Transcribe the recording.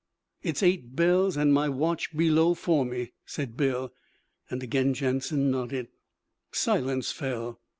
'It's eight bells, an' my watch below for me,' said Bill; and again Jansen nodded. Silence fell.